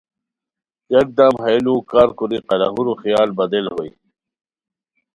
یکدم ہیہ ُلوؤ کار کوری قلاہورو خیال بدل ہوئے